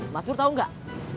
mas pur tau gak